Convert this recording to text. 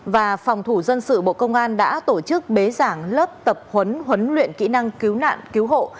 và phòng thủ dân sự bộ công an đã tổ chức bế giảng lớp tập huấn huấn luyện kỹ năng cứu nạn cứu hộ